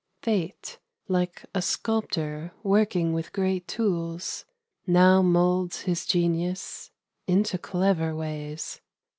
Fate, like a sculptor working with great tools, Now moulds his genius into clever ways.